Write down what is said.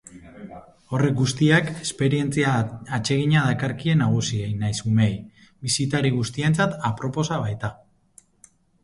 Horrek guztiak esperientzia atsegina dakarkie nagusiei nahiz umeei, bisitari guztientzat aproposa baita.